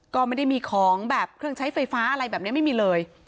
ก็ไม่ได้มีของแบบเครื่องใช้ไฟฟ้าอะไรแบบนี้ไม่มีเลย